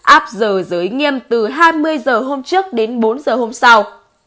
áp giờ giới nghiêm từ hai mươi h hôm trước đến bốn giờ hôm sau